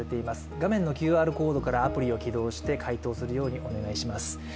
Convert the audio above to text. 画面のＱＲコードからアプリを起動して回答するようにお願いします。